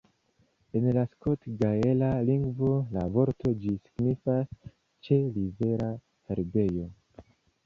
En la skot-gaela lingvo la vorto ĝi signifas "ĉe-rivera herbejo".